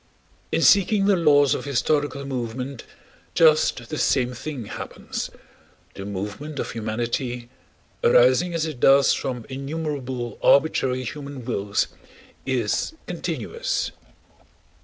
In seeking the laws of historical movement just the same thing happens. The movement of humanity, arising as it does from innumerable arbitrary human wills, is continuous.